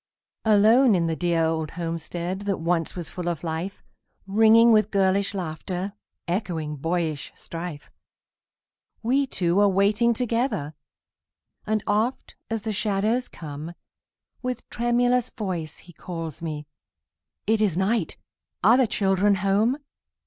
Alone in the dear old homestead That once was full of life, Ringing with girlish laughter, Echoing boyish strife, We two are waiting together; And oft, as the shadows come, With tremulous voice he calls me, "It is night! are the children home?"